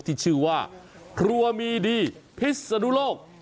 ที่ชื่อว่าครัวมีดีพิศนุโลก